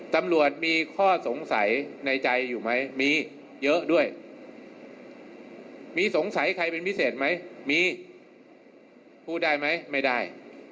ตำรวจมีข้อสงสัยในใจอยู่ไหมมีเยอะด้วยมีสงสัยใครเป็นพิเศษไหมมีพูดได้ไหมไม่ได้